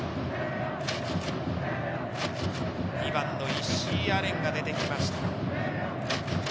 ２番の石井亜錬が出てきました。